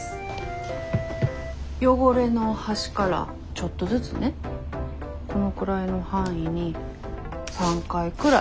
汚れの端からちょっとずつねこのくらいの範囲に３回くらいスプレーして下さい。